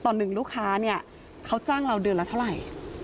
ตอนหนึ่งลูกค้าเขาจ้างเราเดือนละเท่าไร